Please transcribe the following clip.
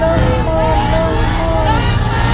โปรดติดตามตอนต่อไป